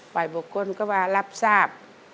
ฝ่ายบุคคลก็มารับทราบ